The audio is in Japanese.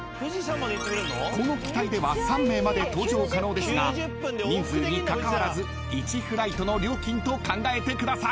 ［この機体では３名まで搭乗可能ですが人数にかかわらず１フライトの料金と考えてください］